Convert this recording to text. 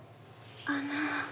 あの。